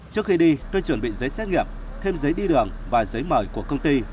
trước khi đi tôi chuẩn bị giấy xét nghiệm thêm giấy đi đường và giấy mời của công ty